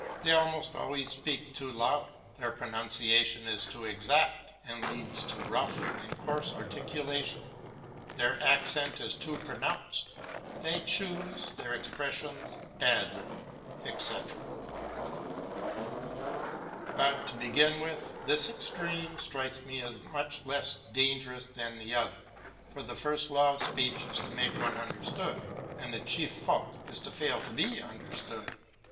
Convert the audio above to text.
They almost always speak too loud; their pronunciation is too exact, and leads to rough and coarse articulation; their accent is too pronounced, they choose their expressions badly, etc. But, to begin with, this extreme strikes me as much less dangerous than the other, for the first law of speech is to make oneself understood, and the chief fault is to fail to be understood.